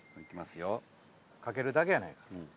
かけるだけやないか。